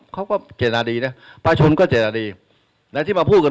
เขาเจตนาดีแต่มันต้องไปดูว่ารับหนุนเขียนว่าไงอ่ะอืม